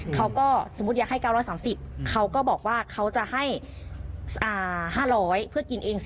เขาก็สมมุติอยากให้๙๓๐เขาก็บอกว่าเขาจะให้๕๐๐เพื่อกินเอง